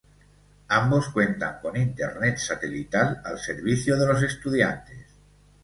Ambos cuentan con Internet satelital al servicio de los estudiantes.